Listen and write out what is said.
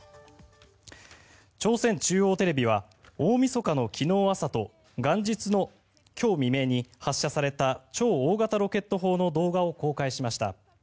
朝鮮中央テレビは大みそかの昨日朝と元日の今日未明に発射された超大型ロケット砲の動画を公開しました。